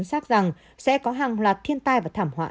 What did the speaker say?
nhưng không có sự đoán chính xác rằng sẽ có hàng loạt thiên tai và thảm họa